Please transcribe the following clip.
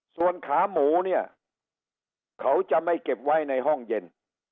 ส่วนขาหมูเนี่ยเขาจะไม่เก็บไว้ในห้องเย็น